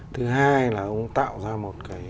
thứ hai là ông tạo ra một cái